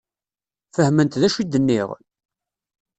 Fehment d acu i d-nniɣ?